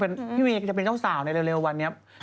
พี่เวย์จะเป็นเจ้าสาวในเร็ววันนี้